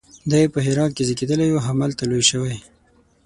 دی په هرات کې زیږېدلی او همالته لوی شوی.